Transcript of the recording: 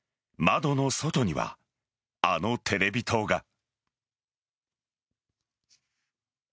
窓の外にはあのテレビ塔が。